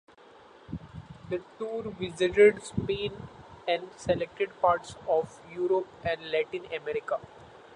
The tour visited Spain and selected parts of Europe and Latin America.